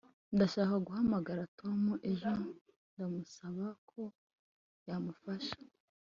Ndashaka guhamagara Tom ejo ndamusaba ko yamufasha